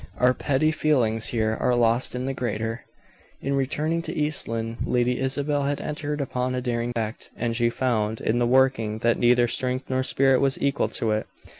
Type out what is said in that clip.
Our petty feelings here are lost in the greater. In returning to East Lynne, Lady Isabel had entered upon a daring act, and she found, in the working, that neither strength nor spirit was equal to it.